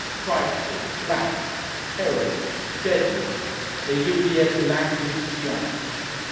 Frightful! Black! Terrible! Deadly! Les oubliettes de l'Inquisition!